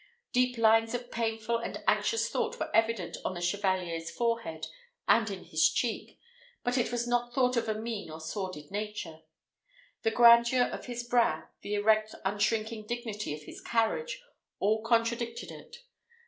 Deep lines of painful and anxious thought were evident on the Chevalier's forehead and in his cheek but it was not thought of a mean or sordid nature. The grandeur of his brow, the erect unshrinking dignity of his carriage, all contradicted it.